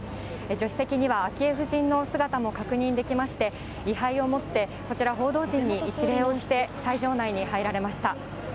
助手席には昭恵夫人の姿も確認できまして、位はいを持ってこちら、報道陣に一礼をして、斎場内に入られました。